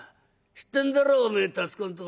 知ってんだろおめえ辰公んと